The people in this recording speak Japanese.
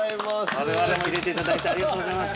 我々も入れていただいてありがとうございます。